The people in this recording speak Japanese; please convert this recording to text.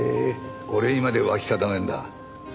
俺にまで脇固めるんだ。